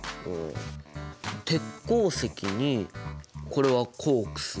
鉄鉱石にこれはコークス。